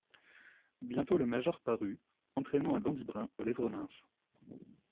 Bientôt le major parut, entraînant un dandy brun aux lèvres minces.